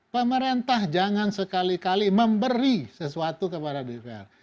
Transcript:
pemerintah jangan sekali kali memberi sesuatu kepada dpr